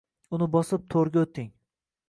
Uni bosib to’rga o’tding.